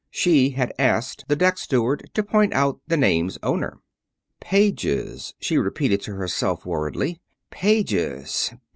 She had asked the deck steward to point out the name's owner. "Pages," she repeated to herself, worriedly, "Pages?